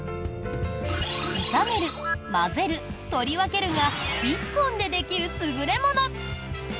炒める、混ぜる、取り分けるが１本でできる優れもの。